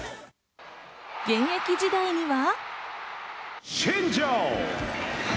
現役時代には。